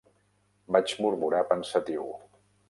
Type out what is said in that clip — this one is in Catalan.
Vaig murmurar pensatiu.